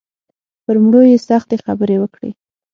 پر مړو یې سختې خبرې وکړې.